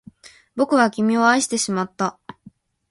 僕は君を愛してしまった